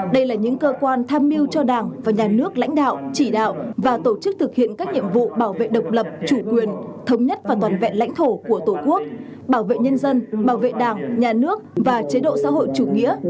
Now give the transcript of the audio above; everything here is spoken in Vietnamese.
đây là những cơ quan tham mưu cho đảng và nhà nước lãnh đạo chỉ đạo và tổ chức thực hiện các nhiệm vụ bảo vệ độc lập chủ quyền thống nhất và toàn vẹn lãnh thổ của tổ quốc bảo vệ nhân dân bảo vệ đảng nhà nước và chế độ xã hội chủ nghĩa